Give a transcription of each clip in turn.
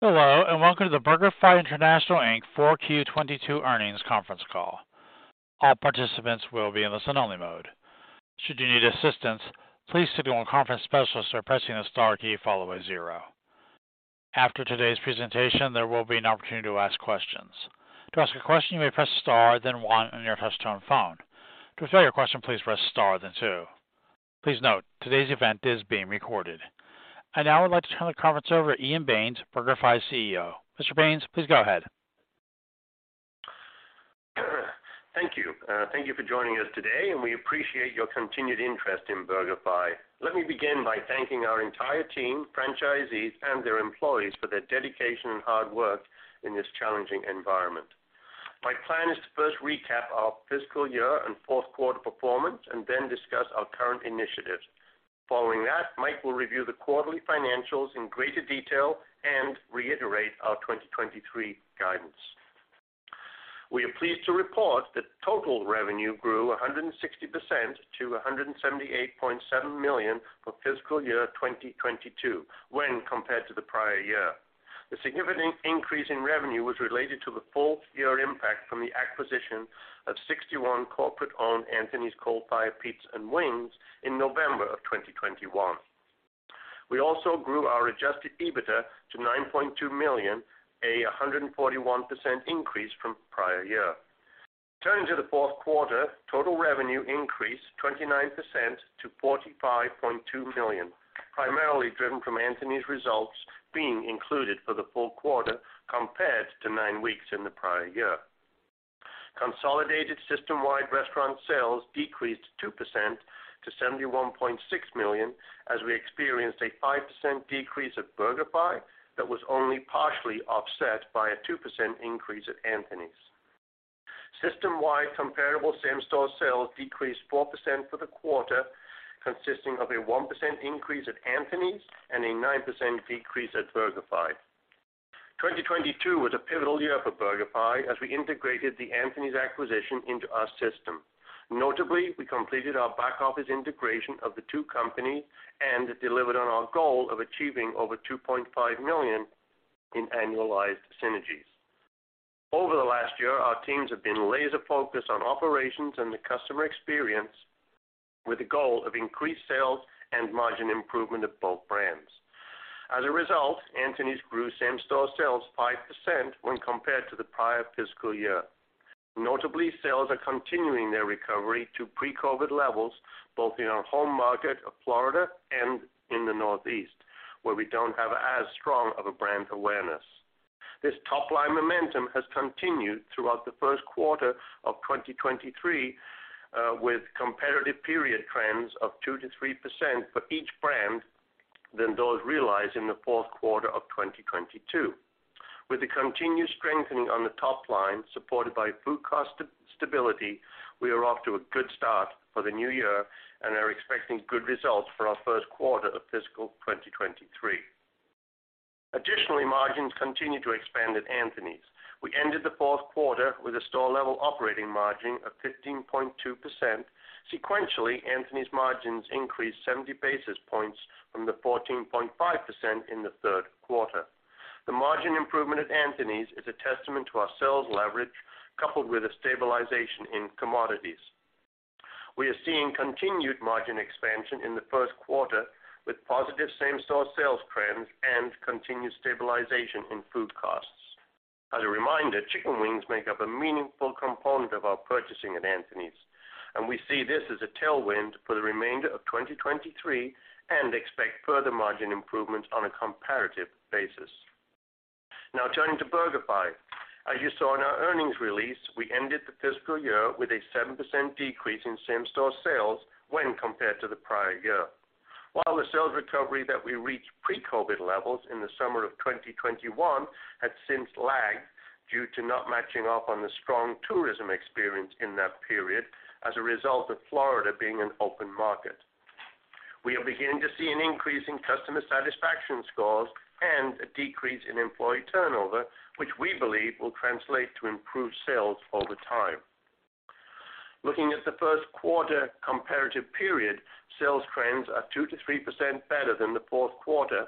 Hello, welcome to the BurgerFi International, Inc. Q4 2022 earnings conference call. All participants will be in listen only mode. Should you need assistance, please signal a conference specialist by pressing the star key followed by zero. After today's presentation, there will be an opportunity to ask questions. To ask a question, you may press star then one on your touch-tone phone. To withdraw your question, please press star then two. Please note, today's event is being recorded. I now would like to turn the conference over to Ian Baines, BurgerFi's CEO. Mr. Baines, please go ahead. Thank you. Thank you for joining us today, and we appreciate your continued interest in BurgerFi. Let me begin by thanking our entire team, franchisees, and their employees for their dedication and hard work in this challenging environment. My plan is to first recap our fiscal year and fourth quarter performance and then discuss our current initiatives. Following that, Mike will review the quarterly financials in greater detail and reiterate our 2023 guidance. We are pleased to report that total revenue grew 160% to $178.7 million for fiscal year 2022 when compared to the prior year. The significant increase in revenue was related to the full-year impact from the acquisition of 61 corporate-owned Anthony's Coal Fired Pizza & Wings in November 2021. We also grew our Adjusted EBITDA to $9.2 million, a 141% increase from prior year. Turning to the fourth quarter, total revenue increased 29% to $45.2 million, primarily driven from Anthony's results being included for the full quarter compared to nine weeks in the prior year. Consolidated systemwide restaurant sales decreased 2% to $71.6 million, as we experienced a 5% decrease at BurgerFi that was only partially offset by a 2% increase at Anthony's. System-wide comparable same-store sales decreased 4% for the quarter, consisting of a 1% increase at Anthony's and a 9% decrease at BurgerFi. 2022 was a pivotal year for BurgerFi as we integrated the Anthony's acquisition into our system. Notably, we completed our back office integration of the two companies and delivered on our goal of achieving over $2.5 million in annualized synergies. Over the last year, our teams have been laser-focused on operations and the customer experience with the goal of increased sales and margin improvement of both brands. As a result, Anthony's grew same-store sales 5% when compared to the prior fiscal year. Notably, sales are continuing their recovery to pre-COVID levels, both in our home market of Florida and in the Northeast, where we don't have as strong of a brand awareness. This top-line momentum has continued throughout the first quarter of 2023, with competitive period trends of 2%-3% for each brand than those realized in the fourth quarter of 2022. With the continued strengthening on the top line supported by food cost stability, we are off to a good start for the new year and are expecting good results for our first quarter of fiscal 2023. Additionally, margins continue to expand at Anthony's. We ended the fourth quarter with a restaurant-level operating margin of 15.2%. Sequentially, Anthony's margins increased 70 basis points from the 14.5% in the third quarter. The margin improvement at Anthony's is a testament to our sales leverage coupled with a stabilization in commodities. We are seeing continued margin expansion in the first quarter with positive same-store sales trends and continued stabilization in food costs. As a reminder, chicken wings make up a meaningful component of our purchasing at Anthony's, and we see this as a tailwind for the remainder of 2023 and expect further margin improvements on a comparative basis. Now turning to BurgerFi. As you saw in our earnings release, we ended the fiscal year with a 7% decrease in same-store sales when compared to the prior year. While the sales recovery that we reached pre-COVID levels in the summer of 2021 had since lagged due to not matching up on the strong tourism experience in that period as a result of Florida being an open market. We are beginning to see an increase in customer satisfaction scores and a decrease in employee turnover, which we believe will translate to improved sales over time. Looking at the first quarter comparative period, sales trends are 2%-3% better than the fourth quarter,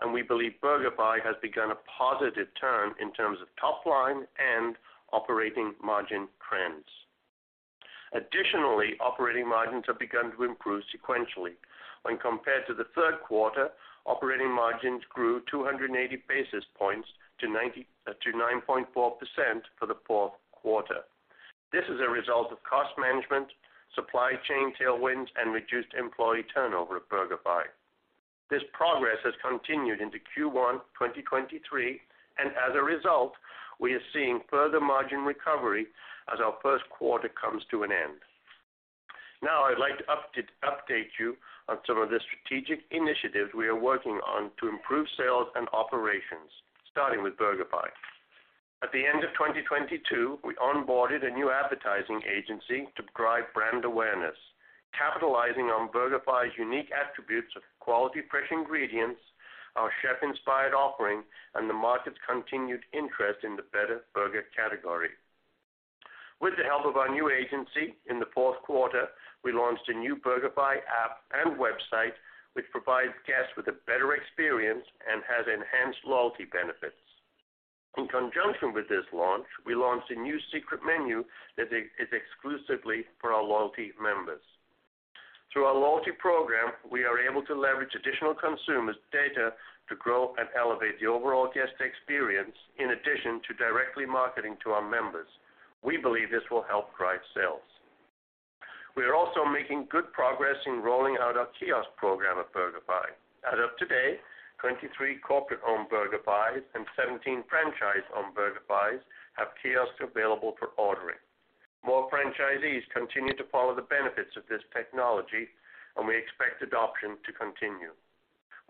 and we believe BurgerFi has begun a positive turn in terms of top line and operating margin trends. Additionally, operating margins have begun to improve sequentially. When compared to the third quarter, operating margins grew 280 basis points to 9.4% for the fourth quarter. This is a result of cost management, supply chain tailwinds, and reduced employee turnover at BurgerFi. This progress has continued into Q1 2023, and as a result, we are seeing further margin recovery as our first quarter comes to an end. Now, I'd like to update you on some of the strategic initiatives we are working on to improve sales and operations, starting with BurgerFi. At the end of 2022, we onboarded a new advertising agency to drive brand awareness, capitalizing on BurgerFi's unique attributes of quality fresh ingredients, our chef-inspired offerings, and the market's continued interest in the better burger category. With the help of our new agency, in the fourth quarter, we launched a new BurgerFi app and website which provides guests with a better experience and has enhanced loyalty benefits. In conjunction with this launch, we launched a new secret menu that is exclusively for our loyalty members. Through our loyalty program, we are able to leverage additional consumers' data to grow and elevate the overall guest experience in addition to directly marketing to our members. We believe this will help drive sales. We are also making good progress in rolling out our kiosk program at BurgerFi. As of today, 23 corporate-owned BurgerFis and 17 franchise-owned BurgerFis have kiosks available for ordering. More franchisees continue to follow the benefits of this technology, and we expect adoption to continue.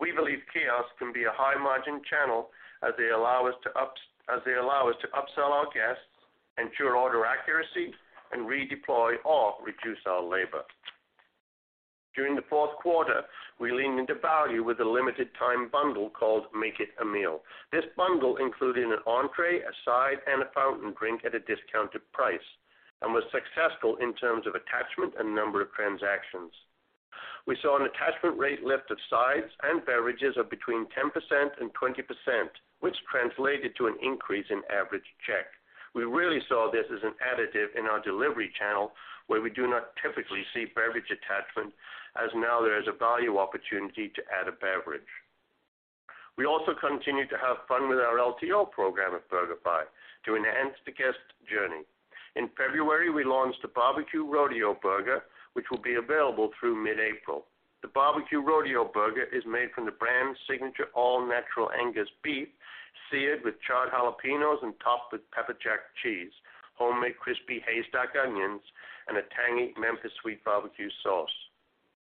We believe kiosks can be a high-margin channel as they allow us to upsell our guests, ensure order accuracy, and redeploy or reduce our labor. During the fourth quarter, we leaned into value with a limited time bundle called Make It a Meal. This bundle included an entree, a side, and a fountain drink at a discounted price and was successful in terms of attachment and number of transactions. We saw an attachment rate lift of sides and beverages of between 10% and 20%, which translated to an increase in average check. We really saw this as an additive in our delivery channel where we do not typically see beverage attachment, as now there is a value opportunity to add a beverage. We also continue to have fun with our LTO program at BurgerFi to enhance the guest journey. In February, we launched the Barbecue Rodeo Burger, which will be available through mid-April. The Barbecue Rodeo Burger is made from the brand's signature all-natural Angus beef, seared with charred jalapenos, and topped with pepper jack cheese, homemade crispy haystack onions, and a tangy Memphis sweet barbecue sauce.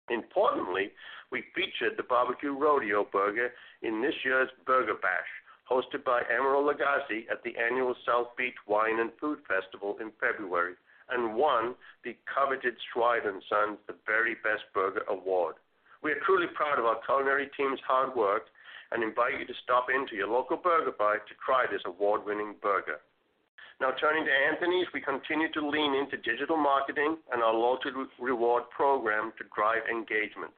Importantly, we featured the Barbecue Rodeo Burger in this year's Burger Bash, hosted by Emeril Lagasse at the annual South Beach Wine & Food Festival in February, and won the coveted Schweid & Sons The Very Best Burger Award. We are truly proud of our culinary team's hard work and invite you to stop in to your local BurgerFi to try this award-winning burger. Turning to Anthony's, we continue to lean into digital marketing and our loyalty reward program to drive engagement.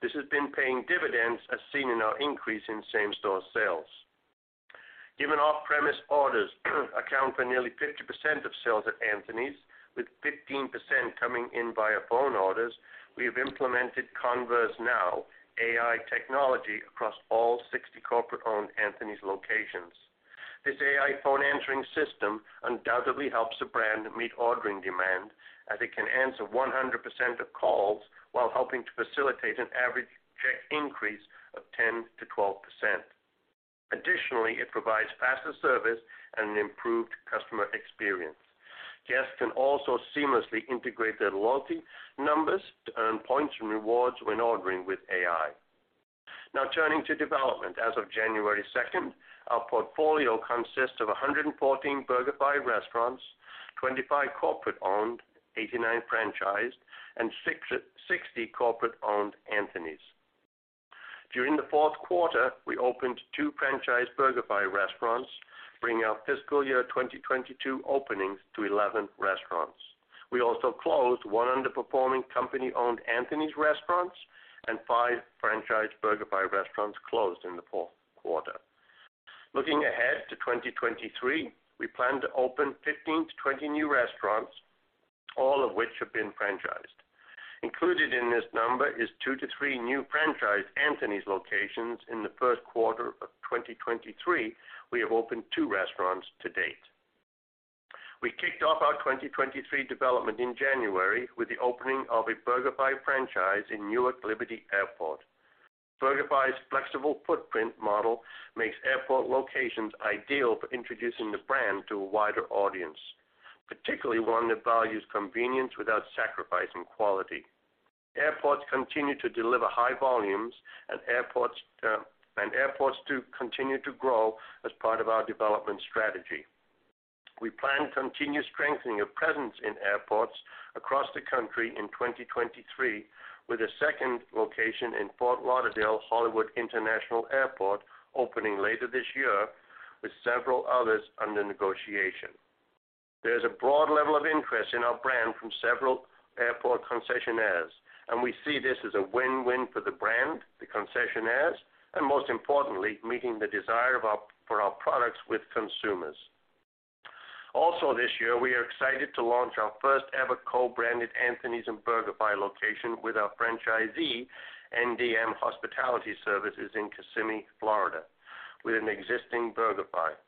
This has been paying dividends as seen in our increase in same-store sales. Given off-premise orders account for nearly 50% of sales at Anthony's, with 15% coming in via phone orders, we have implemented ConverseNow AI technology across all 60 corporate-owned Anthony's locations. This AI phone answering system undoubtedly helps the brand meet ordering demand, as it can answer 100% of calls while helping to facilitate an average check increase of 10%-12%. It provides faster service and an improved customer experience. Guests can also seamlessly integrate their loyalty numbers to earn points and rewards when ordering with AI. Now turning to development. As of January second, our portfolio consists of 114 BurgerFi restaurants, 25 corporate-owned, 89 franchised, and 660 corporate-owned Anthony's. During the fourth quarter, we opened two franchised BurgerFi restaurants, bringing our fiscal year 2022 openings to 11 restaurants. We also closed one underperforming company-owned Anthony's restaurants and five franchised BurgerFi restaurants closed in the fourth quarter. Looking ahead to 2023, we plan to open 15-20 new restaurants, all of which have been franchised. Included in this number is 2-3 new franchised Anthony's locations in the first quarter of 2023. We have opened two restaurants to date. We kicked off our 2023 development in January with the opening of a BurgerFi franchise in Newark Liberty Airport. BurgerFi's flexible footprint model makes airport locations ideal for introducing the brand to a wider audience, particularly one that values convenience without sacrificing quality. Airports continue to deliver high volumes. Airports do continue to grow as part of our development strategy. We plan to continue strengthening our presence in airports across the country in 2023 with a second location in Fort Lauderdale-Hollywood International Airport opening later this year, with several others under negotiation. There's a broad level of interest in our brand from several airport concessionaires. We see this as a win-win for the brand, the concessionaires, and most importantly, meeting the desire for our products with consumers. Also this year, we are excited to launch our first-ever co-branded Anthony's and BurgerFi location with our franchisee, NDM Hospitality Services in Kissimmee, Florida, with an existing BurgerFi.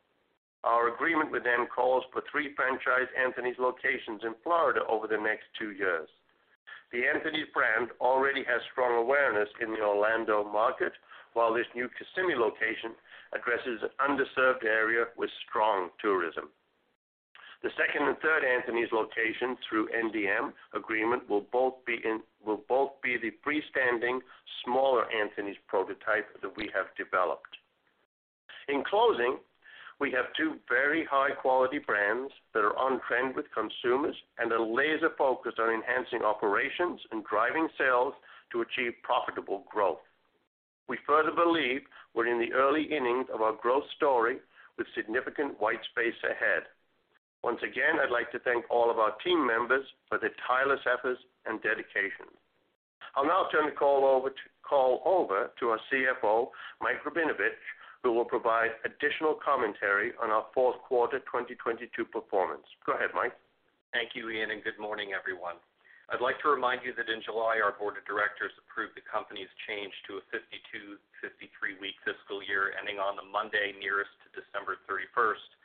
Our agreement with them calls for three franchise Anthony's locations in Florida over the next two years. The Anthony's brand already has strong awareness in the Orlando market, while this new Kissimmee location addresses an underserved area with strong tourism. The second and third Anthony's location through NDM agreement will both be the freestanding, smaller Anthony's prototype that we have developed. In closing, we have two very high-quality brands that are on trend with consumers and are laser-focused on enhancing operations and driving sales to achieve profitable growth. We further believe we're in the early innings of our growth story with significant white space ahead. Once again, I'd like to thank all of our team members for their tireless efforts and dedication. I'll now turn the call over to our CFO, Mike Rabinovitch, who will provide additional commentary on our fourth quarter 2022 performance. Go ahead, Mike. Thank you, Ian. Good morning, everyone. I'd like to remind you that in July, our board of directors approved the company's change to a 52, 53-week fiscal year ending on the Monday nearest to December 31st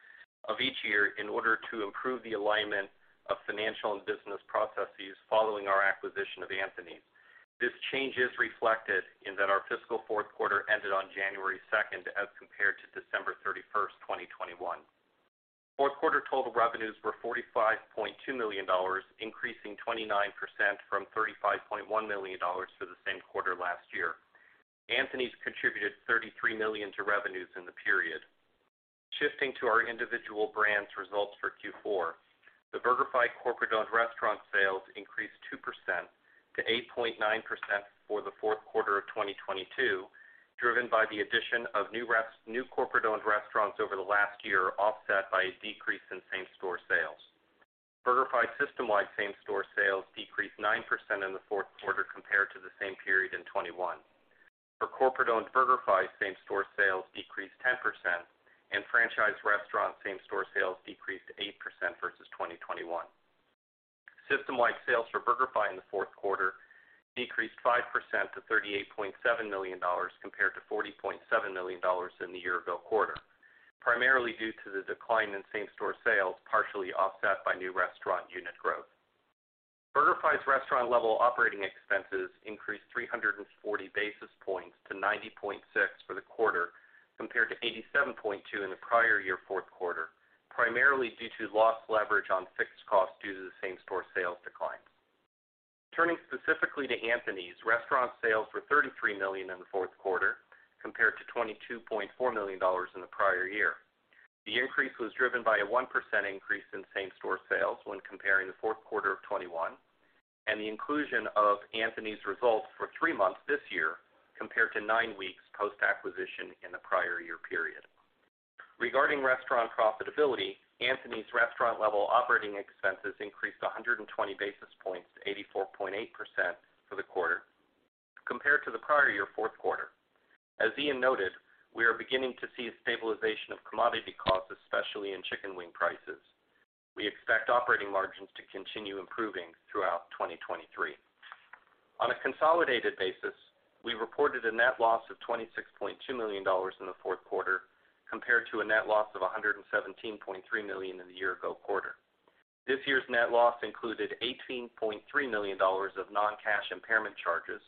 of each year in order to improve the alignment of financial and business processes following our acquisition of Anthony's. This change is reflected in that our fiscal fourth quarter ended on January 2nd, as compared to December 31st, 2021. Fourth quarter total revenues were $45.2 million, increasing 29% from $35.1 million for the same quarter last year. Anthony's contributed $33 million to revenues in the period. Shifting to our individual brands results for Q4, the BurgerFi corporate-owned restaurant sales increased 2% to 8.9% for the fourth quarter of 2022, driven by the addition of new corporate-owned restaurants over the last year, offset by a decrease in same-store sales. BurgerFi systemwide same-store sales decreased 9% in the fourth quarter compared to the same period in 2021. For corporate-owned BurgerFi same-store sales decreased 10%, and franchise restaurant same-store sales decreased 8% versus 2021. System-wide sales for BurgerFi in the fourth quarter decreased 5% to $38.7 million, compared to $40.7 million in the year-ago quarter, primarily due to the decline in same-store sales, partially offset by new restaurant unit growth. BurgerFi's restaurant-level operating expenses increased 340 basis points to 90.6% for the quarter, compared to 87.2% in the prior year fourth quarter, primarily due to loss leverage on fixed costs due to the same-store sales decline. Turning specifically to Anthony's, restaurant sales were $33 million in the fourth quarter compared to $22.4 million in the prior year. The increase was driven by a 1% increase in same-store sales when comparing the fourth quarter of 2021 and the inclusion of Anthony's results for three months this year, compared to nine weeks post-acquisition in the prior year period. Regarding restaurant profitability, Anthony's restaurant-level operating expenses increased 120 basis points to 84.8% for the quarter compared to the prior year fourth quarter. As Ian noted, we are beginning to see a stabilization of commodity costs, especially in chicken wing prices. We expect operating margins to continue improving throughout 2023. On a consolidated basis, we reported a net loss of $26.2 million in the fourth quarter compared to a net loss of $117.3 million in the year-ago quarter. This year's net loss included $18.3 million of non-cash impairment charges,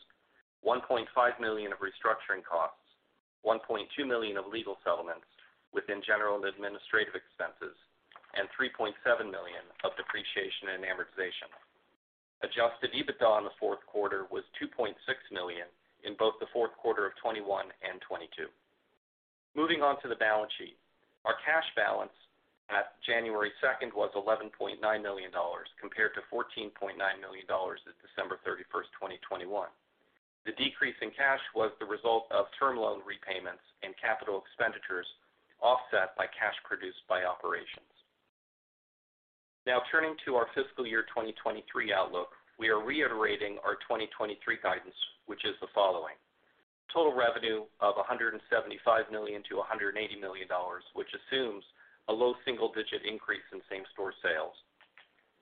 $1.5 million of restructuring costs, $1.2 million of legal settlements within general and administrative expenses, and $3.7 million of depreciation and amortization. Adjusted EBITDA in the fourth quarter was $2.6 million in both the fourth quarter of 2021 and 2022. Moving on to the balance sheet. Our cash balance at January 2nd was $11.9 million, compared to $14.9 million at December 31st, 2021. The decrease in cash was the result of term loan repayments and capital expenditures, offset by cash produced by operations. Now, turning to our fiscal year 2023 outlook, we are reiterating our 2023 guidance, which is the following. Total revenue of $175 million-$180 million, which assumes a low single-digit increase in same-store sales.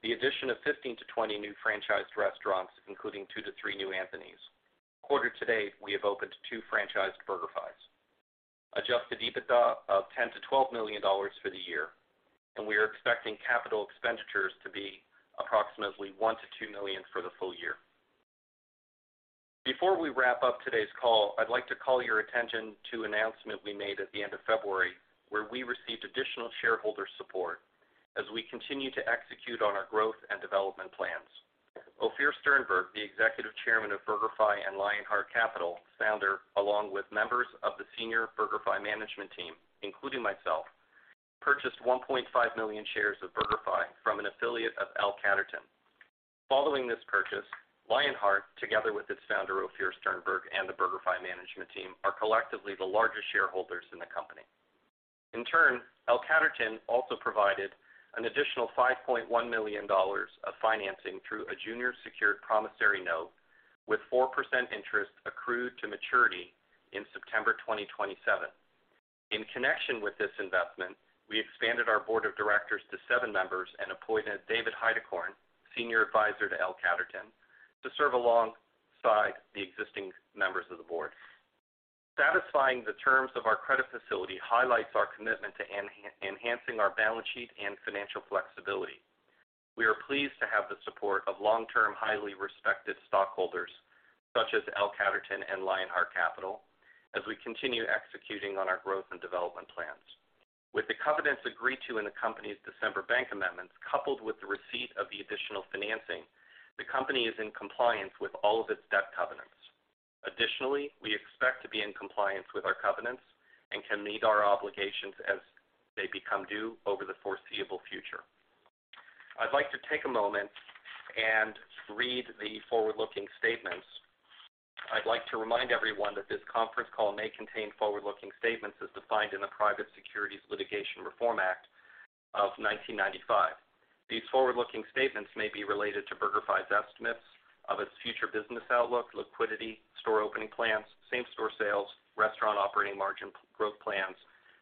The addition of 15-20 new franchised restaurants, including 2-3 new Anthony's. Quarter to date, we have opened 2 franchised BurgerFis. Adjusted EBITDA of $10 million-$12 million for the year, and we are expecting capital expenditures to be approximately $1 million-$2 million for the full year. Before we wrap up today's call, I'd like to call your attention to announcement we made at the end of February, where we received additional shareholder support as we continue to execute on our growth and development plans. Ophir Sternberg, the executive chairman of BurgerFi and Lionheart Capital founder, along with members of the senior BurgerFi management team, including myself, purchased 1.5 million shares of BurgerFi from an affiliate of L Catterton. Following this purchase, Lionheart, together with its founder, Ophir Sternberg, and the BurgerFi management team, are collectively the largest shareholders in the company. In turn, L Catterton also provided an additional $5.1 million of financing through a junior secured promissory note with 4% interest accrued to maturity in September 2027. In connection with this investment, we expanded our board of directors to seven members and appointed David Heidecorn, Senior Advisor to L Catterton, to serve alongside the existing members of the board. Satisfying the terms of our credit facility highlights our commitment to enhancing our balance sheet and financial flexibility. We are pleased to have the support of long-term, highly respected stockholders such as L Catterton and Lionheart Capital as we continue executing on our growth and development plans. With the covenants agreed to in the company's December bank amendments, coupled with the receipt of the additional financing, the company is in compliance with all of its debt covenants. Additionally, we expect to be in compliance with our covenants and can meet our obligations as they become due over the foreseeable future. I'd like to take a moment and read the forward-looking statements. I'd like to remind everyone that this conference call may contain forward-looking statements as defined in the Private Securities Litigation Reform Act of 1995. These forward-looking statements may be related to BurgerFi's estimates of its future business outlook, liquidity, store opening plans, same-store sales, restaurant operating margin growth plans,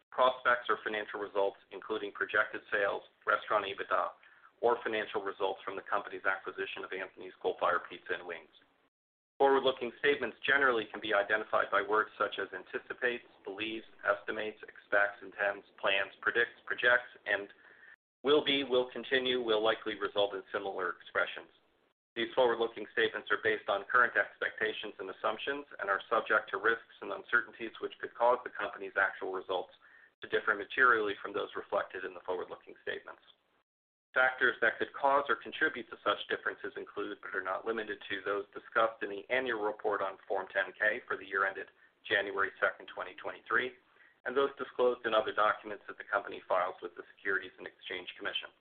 prospects or financial results including projected sales, restaurant EBITDA, or financial results from the company's acquisition of Anthony's Coal Fired Pizza & Wings. Forward-looking statements generally can be identified by words such as anticipates, believes, estimates, expects, intends, plans, predicts, projects, and will be, will continue, will likely result in similar expressions. These forward-looking statements are based on current expectations and assumptions and are subject to risks and uncertainties, which could cause the company's actual results to differ materially from those reflected in the forward-looking statements. Factors that could cause or contribute to such differences include, but are not limited to, those discussed in the annual report on Form 10-K for the year ended January 2nd, 2023, and those disclosed in other documents that the company files with the Securities and Exchange Commission.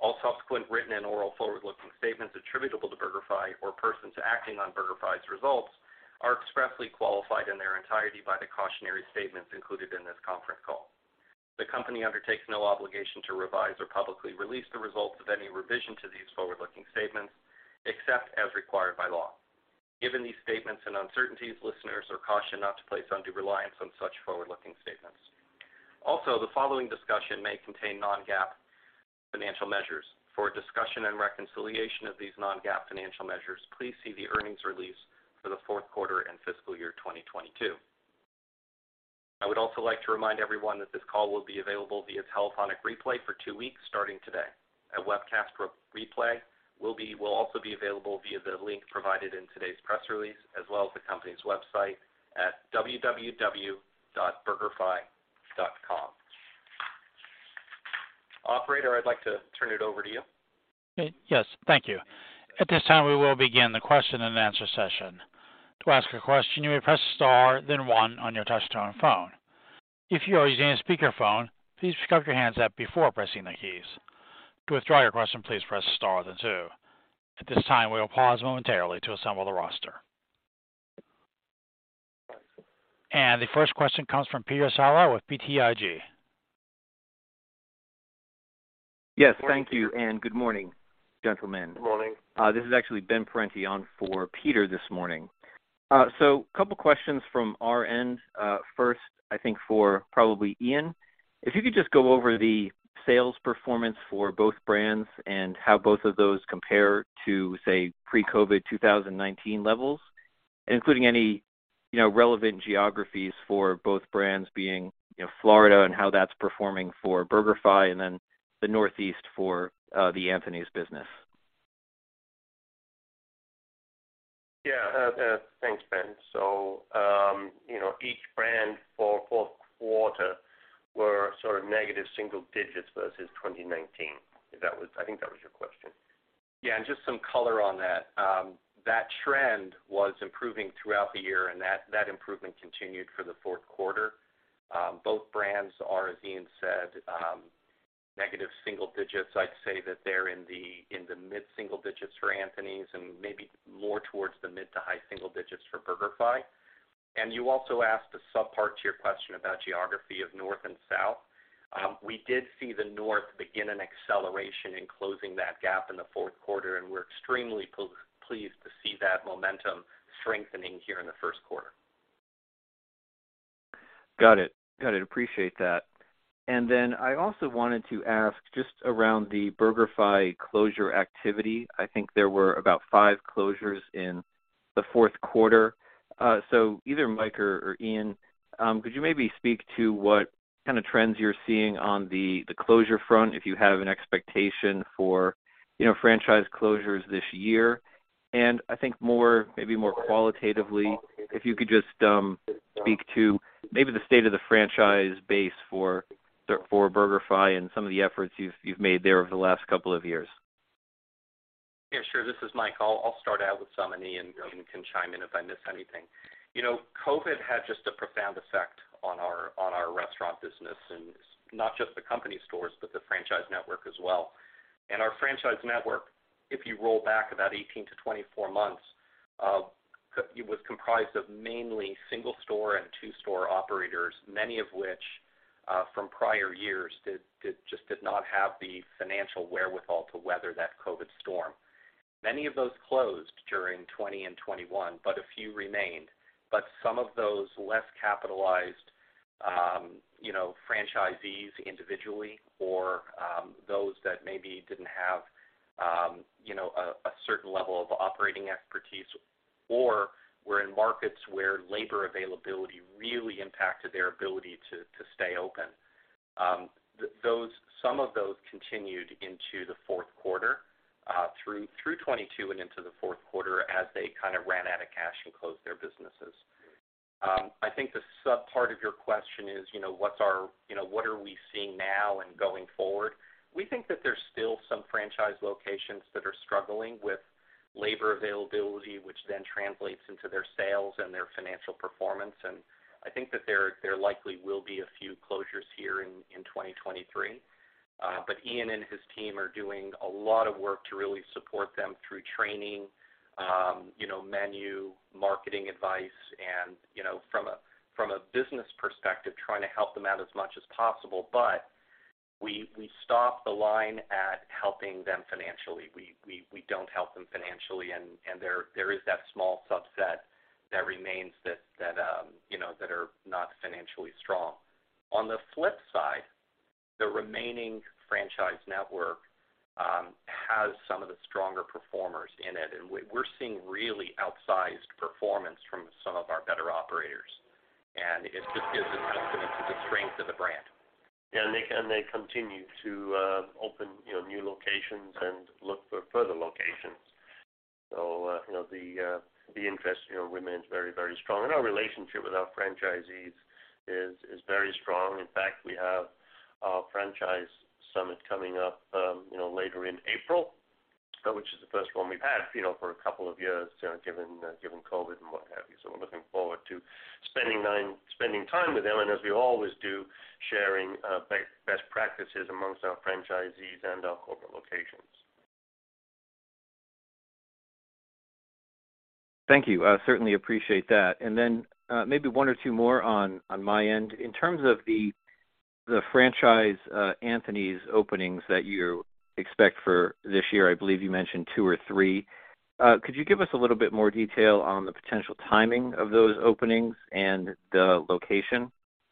All subsequent written and oral forward-looking statements attributable to BurgerFi or persons acting on BurgerFi's results are expressly qualified in their entirety by the cautionary statements included in this conference call. The company undertakes no obligation to revise or publicly release the results of any revision to these forward-looking statements, except as required by law. Given these statements and uncertainties, listeners are cautioned not to place undue reliance on such forward-looking statements. The following discussion may contain non-GAAP financial measures. For a discussion and reconciliation of these non-GAAP financial measures, please see the earnings release for the fourth quarter and fiscal year 2022. I would also like to remind everyone that this call will be available via telephonic replay for two weeks starting today. A webcast replay will also be available via the link provided in today's press release, as well as the company's website at www.burgerfi.com. Operator, I'd like to turn it over to you. Yes, thank you. At this time, we will begin the question and answer session. To ask a question, you may press star then one on your touchtone phone. If you are using a speakerphone, please pick up your handset before pressing the keys. To withdraw your question, please press star then two. At this time, we will pause momentarily to assemble the roster. The first question comes from Peter Saleh with BTIG. Yes, thank you, and good morning, gentlemen. Good morning. This is actually Ben Parente on for Peter this morning. Couple questions from our end. First, I think for probably Ian. If you could just go over the sales performance for both brands and how both of those compare to, say, pre-COVID, 2019 levels, including any, you know, relevant geographies for both brands being, you know, Florida and how that's performing for BurgerFi and then the Northeast for the Anthony's business. Yeah, thanks, Ben. you know, each brand for fourth quarter were sort of negative single digits versus 2019. I think that was your question. Yeah, just some color on that. That trend was improving throughout the year, and that improvement continued for the fourth quarter. Both brands are, as Ian said, negative single digits. I'd say that they're in the mid single digits for Anthony's and maybe more towards the mid to high single digits for BurgerFi. You also asked a sub-part to your question about geography of North and South. We did see the North begin an acceleration in closing that gap in the fourth quarter, and we're extremely pleased to see that momentum strengthening here in the first quarter. Got it. Got it. Appreciate that. I also wanted to ask just around the BurgerFi closure activity. I think there were about five closures in the fourth quarter. Either Mike or Ian, could you maybe speak to what kind of trends you're seeing on the closure front, if you have an expectation for, you know, franchise closures this year? I think more, maybe more qualitatively, if you could just speak to maybe the state of the franchise base for BurgerFi and some of the efforts you've made there over the last couple of years. Yeah, sure. This is Mike. I'll start out with some, and Ian can chime in if I miss anything. You know, COVID had just a profound effect on our, on our restaurant business and not just the company stores, but the franchise network as well. Our franchise network, if you roll back about 18-24 months, it was comprised of mainly single store and two store operators, many of which, from prior years just did not have the financial wherewithal to weather that COVID storm. Many of those closed during 2020 and 2021. A few remained. Some of those less capitalized, you know, franchisees individually or, those that maybe didn't have, you know, a certain level of operating expertise or were in markets where labor availability really impacted their ability to stay open. Some of those continued into the fourth quarter, through 22 and into the fourth quarter as they kind of ran out of cash and closed their businesses. I think the sub-part of your question is, you know, what's our, you know, what are we seeing now and going forward? We think that there's still some franchise locations that are struggling with labor availability, which then translates into their sales and their financial performance. I think that there likely will be a few closures here in 2023. Ian and his team are doing a lot of work to really support them through training, you know, menu, marketing advice, and, you know, from a, from a business perspective, trying to help them out as much as possible. But we stop the line at helping them financially. We don't help them financially, there is that small subset that remains that, you know, that are not financially strong. On the flip side, the remaining franchise network has some of the stronger performers in it, and we're seeing really outsized performance from some of our better operators. It just is a testament to the strength of the brand. Yeah. They continue to open, you know, new locations and look for further locations. You know, the interest, you know, remains very, very strong. Our relationship with our franchisees is very strong. In fact, we have our franchise summit coming up, you know, later in April, which is the first one we've had, you know, for a couple of years, you know, given COVID and what have you. We're looking forward to spending time with them, and as we always do, sharing best practices amongst our franchisees and our corporate locations. Thank you. I certainly appreciate that. Maybe one or two more on my end. In terms of the franchise, Anthony's openings that you expect for this year, I believe you mentioned two or three. Could you give us a little bit more detail on the potential timing of those openings and the location?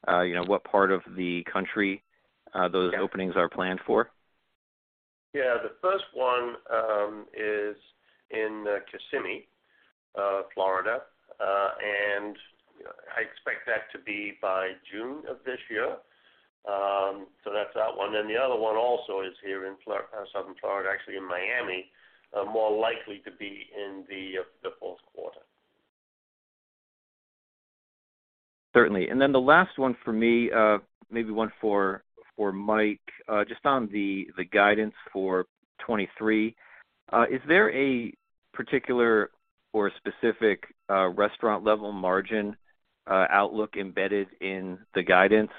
You know, what part of the country, those openings are planned for? Yeah. The first one, is in Kissimmee, Florida. I expect that to be by June of this year. That's that one. The other one also is here in southern Florida, actually in Miami, more likely to be in the fourth quarter. Certainly. The last one for me, maybe one for Mike, just on the guidance for 23. Is there a particular or specific restaurant-level margin outlook embedded in the guidance?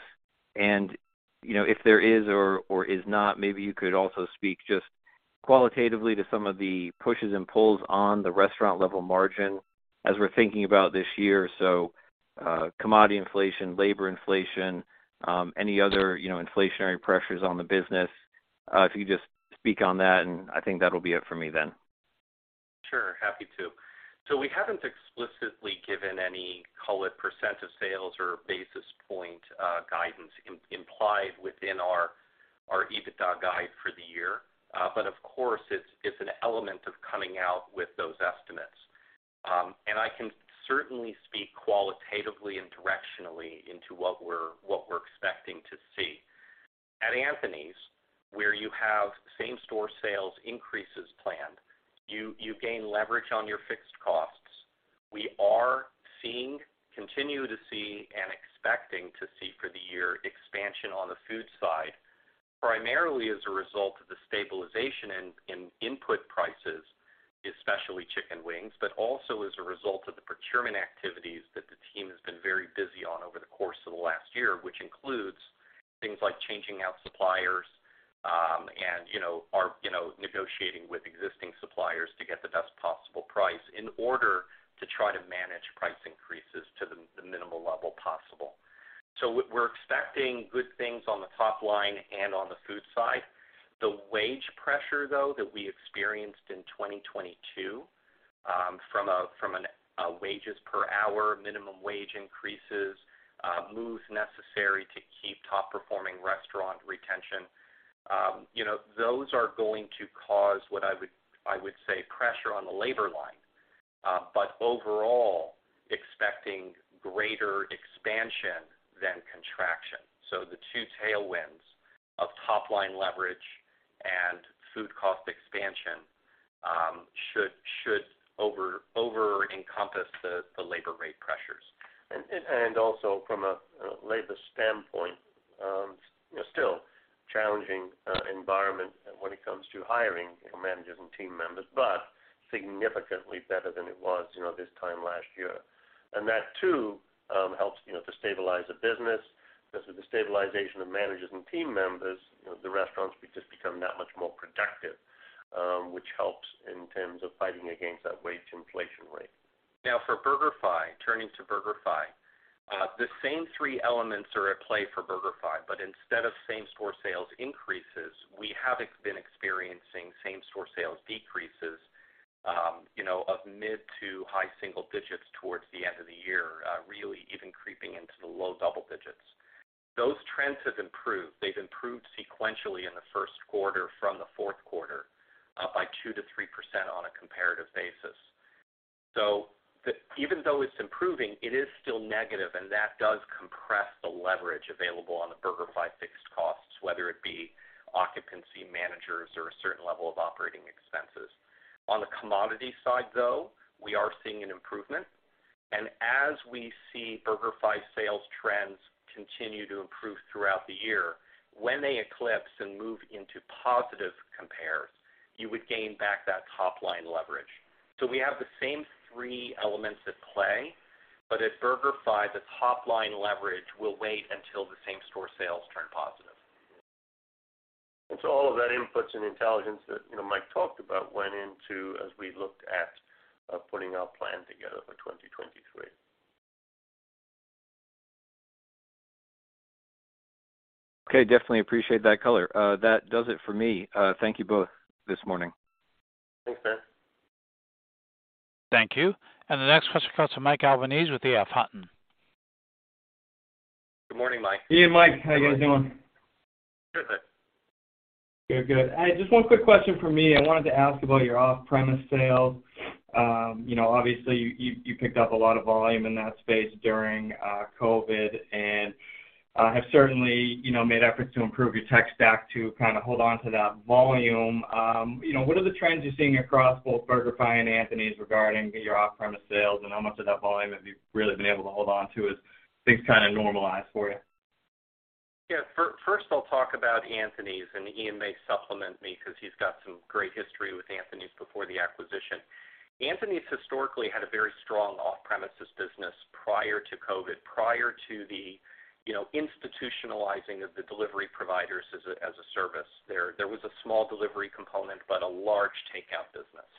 You know, if there is or is not, maybe you could also speak just qualitatively to some of the pushes and pulls on the restaurant-level margin as we're thinking about this year. Commodity inflation, labor inflation, any other, you know, inflationary pressures on the business. If you could just speak on that. I think that'll be it for me then. Sure. Happy to. We haven't explicitly given any, call it, percent of sales or basis point guidance implied within our EBITDA guide for the year. Of course, it's an element of coming out with those estimates. I can certainly speak qualitatively and directionally into what we're expecting to see. At Anthony's, where you have same-store sales increases planned, you gain leverage on your fixed costs. We are seeing, continue to see, and expecting to see for the year expansion on the food side, primarily as a result of the stabilization in input prices, especially chicken wings, but also as a result of the procurement activities that the team has been very busy on over the course of the last year, which includes things like changing out suppliers, and, you know, negotiating with existing suppliers to get the best possible price in order to try to manage price increases to the minimal level possible. We're expecting good things on the top line and on the food side. The wage pressure, though, that we experienced in 2022, from a wages per hour, minimum wage increases, moves necessary to keep top performing restaurant retention. You know, those are going to cause what I would say pressure on the labor line. Overall, expecting greater expansion than contraction. The two tailwinds of top line leverage and food cost expansion, should over encompass the labor rate pressures. Also from a labor standpoint, you know, still challenging, environment when it comes to hiring, you know, managers and team members, but significantly better than it was, you know, this time last year. That too, helps, you know, to stabilize the business, because with the stabilization of managers and team members, you know, the restaurants just become that much more productive, which helps in terms of fighting against that wage inflation rate. For BurgerFi, turning to BurgerFi, the same three elements are at play for BurgerFi, but instead of same-store sales increases, we have been experiencing same-store sales decreases, you know, of mid to high single digits towards the end of the year, really even creeping into the low double digits. Those trends have improved. They've improved sequentially in the first quarter from the fourth quarter, by 2%-3% on a comparative basis. Even though it's improving, it is still negative, and that does compress the leverage available on the BurgerFi fixed costs, whether it be occupancy managers or a certain level of operating expenses. On the commodity side. We are seeing an improvement. As we see BurgerFi sales trends continue to improve throughout the year, when they eclipse and move into positive compares, you would gain back that top line leverage. We have the same three elements at play, but at BurgerFi, the top line leverage will wait until the same-store sales turn positive. All of that inputs and intelligence that, you know, Mike talked about went into as we looked at, putting our plan together for 2023. Okay. Definitely appreciate that color. That does it for me. Thank you both this morning. Thanks, Ben. Thank you. The next question comes from Mike Albanese with EF Hutton. Good morning, Mike. Hey, Mike. How you guys doing? Good. Good. Good. Just one quick question from me. I wanted to ask about your off-premise sales. you know, obviously, you picked up a lot of volume in that space during COVID and have certainly, you know, made efforts to improve your tech stack to kind of hold on to that volume. you know, what are the trends you're seeing across both BurgerFi and Anthony's regarding your off-premise sales and how much of that volume have you really been able to hold on to as things kinda normalize for you? Yeah. First, I'll talk about Anthony's, and Ian may supplement me because he's got some great history with Anthony's before the acquisition. Anthony's historically had a very strong off-premises business prior to COVID, prior to the, you know, institutionalizing of the delivery providers as a service. There was a small delivery component, but a large takeout business.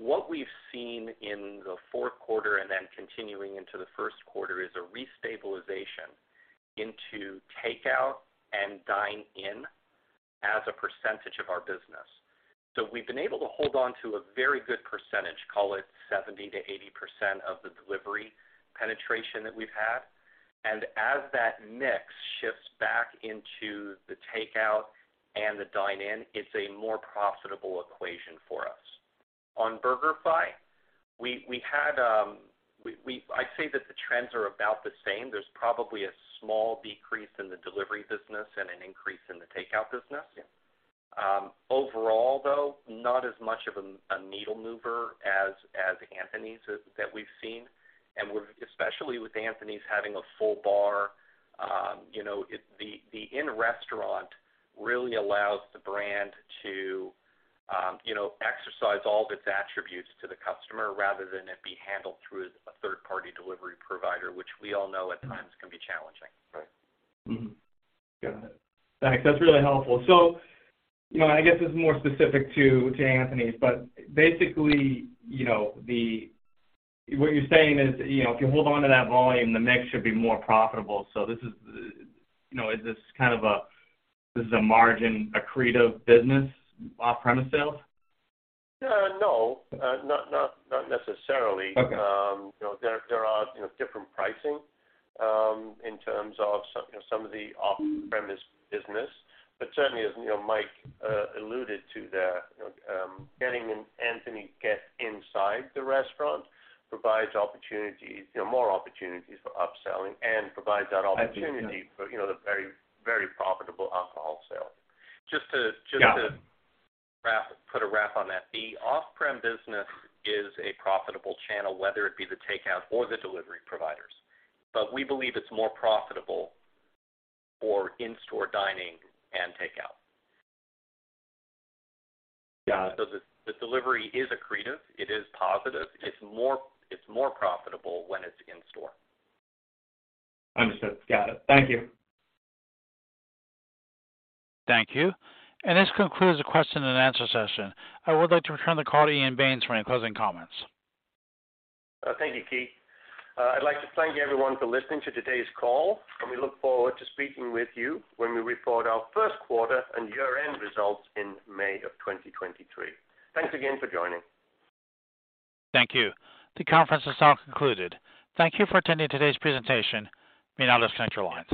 What we've seen in the fourth quarter and then continuing into the first quarter is a restabilization into takeout and dine in as a percentage of our business. We've been able to hold on to a very good percentage, call it 70%-80% of the delivery penetration that we've had. As that mix shifts back into the takeout and the dine in, it's a more profitable equation for us. On BurgerFi, we had, I'd say that the trends are about the same. There's probably a small decrease in the delivery business and an increase in the takeout business. Yeah. Overall, though, not as much of a needle mover as Anthony's that we've seen. Especially with Anthony's having a full bar, you know, the in-restaurant really allows the brand to, you know, exercise all of its attributes to the customer rather than it be handled through a third-party delivery provider, which we all know at times can be challenging. Right. Mm-hmm. Got it. Thanks. That's really helpful. You know, I guess it's more specific to Anthony's. Basically, you know, what you're saying is, you know, if you hold on to that volume, the mix should be more profitable. This is, you know, is this kind of a margin accretive business off-premise sales? No, not necessarily. Okay. You know, there are, you know, different pricing, in terms of some, you know, some of the off-premise business. Certainly as, you know, Mike alluded to that, you know, getting in Anthony's get inside the restaurant provides opportunities, you know, more opportunities for upselling and provides that opportunity for, you know, the very, very profitable alcohol sales. Just to, just to- Yeah Put a wrap on that. The off-prem business is a profitable channel, whether it be the takeout or the delivery providers. We believe it's more profitable for in-store dining and takeout. Got it. The delivery is accretive, it is positive. It's more profitable when it's in store. Understood. Got it. Thank you. Thank you. This concludes the question and answer session. I would like to return the call to Ian Baines for any closing comments. Thank you, Keith. I'd like to thank everyone for listening to today's call, and we look forward to speaking with you when we report our first quarter and year-end results in May of 2023. Thanks again for joining. Thank you. The conference is now concluded. Thank you for attending today's presentation. You may now disconnect your lines.